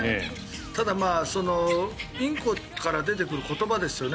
ただ、インコから出てくる言葉ですよね。